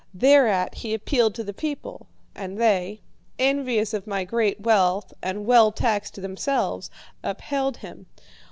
Thereat, he appealed to the people, and they, envious of my great wealth and well taxed themselves, upheld him.